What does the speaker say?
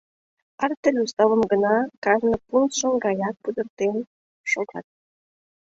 Артель уставым гын кажне пунктшым гаяк пудыртен шогат.